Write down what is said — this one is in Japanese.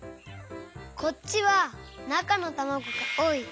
こっちはなかのたまごがおおい。